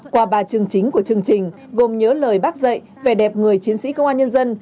qua ba chương chính của chương trình gồm nhớ lời bác dạy về đẹp người chiến sĩ công an nhân dân